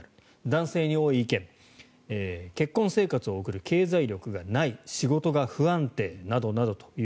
男性に多い意見結婚生活を送る経済力がない仕事が不安定などなどと。